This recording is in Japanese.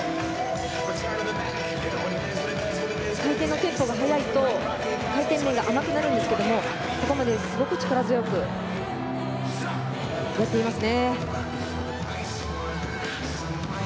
回転のテンポが速くと回転面が甘くなるんですがここまですごく力強くできています。